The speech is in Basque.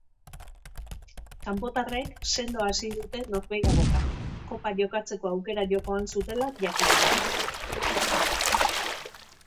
Kanpotarrek sendo hasi dute norgehiagoka, kopa jokatzeko aukera jokoan zutela jakinda.